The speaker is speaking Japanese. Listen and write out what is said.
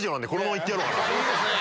いいですね。